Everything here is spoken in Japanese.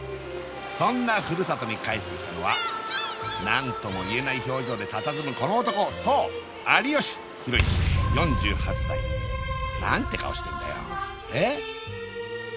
そんな故郷に帰ってきたのは何とも言えない表情でたたずむこの男そう有吉弘行４８歳何て顔してんだよええっ！